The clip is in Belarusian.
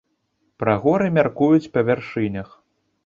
Пра горы мяркуюць па вяршынях.